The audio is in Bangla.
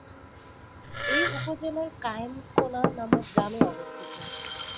এটি উপজেলার কায়েম কোলা নামক গ্রামে অবস্থিত।